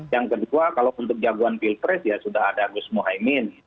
yang kedua kalau untuk jagoan pilpres ya sudah ada gus mohaimin